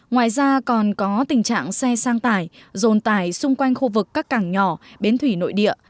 ngoài ra còn có tình trạng xe sang tải rồn tải xung quanh khu vực các cảng nhỏ bến thủy nội địa